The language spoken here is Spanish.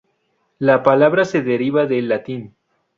La palabra se deriva del latín.